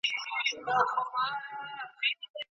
څېړونکی د متن کمزورۍ څنګه څرګندوي؟